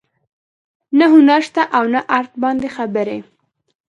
نه هنر شته او نه ارټ باندې خبرې